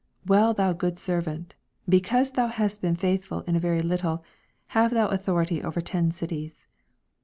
Well, thou good servant : because thou hast been faithful in a very little, have thou authority over ten cities.